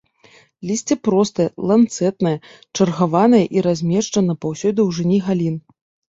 Лісце простае, ланцэтнае, чаргаванае і размешчана па ўсёй даўжыні галін.